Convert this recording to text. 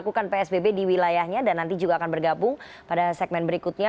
lalu akan dilakukan psbb di wilayahnya dan nanti juga akan bergabung pada segmen berikutnya